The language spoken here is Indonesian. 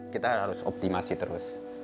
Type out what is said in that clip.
kita harus optimasi terus